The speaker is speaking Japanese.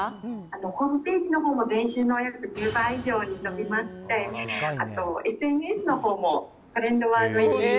ホームページのほうも前週の約１０倍以上に伸びまして、あと、ＳＮＳのほうも、トレンドワード入りに。